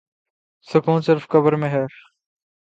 سکون صرف قبر میں ہے